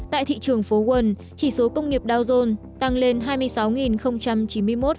tại thị trường phố quân chỉ số công nghiệp dow jones tăng lên hai mươi sáu chín mươi một chín mươi năm điểm